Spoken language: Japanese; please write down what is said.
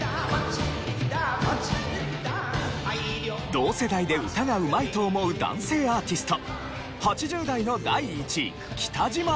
同世代で歌がうまいと思う男性アーティスト。